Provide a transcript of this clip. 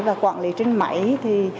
và quản lý trên máy thì